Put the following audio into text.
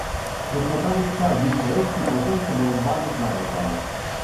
Чорнота не читав більше лекцій про те, що боротьба не знає жалю.